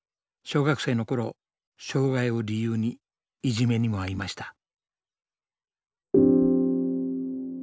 小学生の頃障害を理由にいじめにもあいました。